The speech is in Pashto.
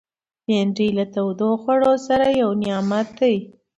بېنډۍ له تودو خوړو سره یو نعمت دی